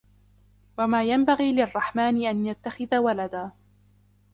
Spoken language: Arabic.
وما ينبغي للرحمن أن يتخذ ولدا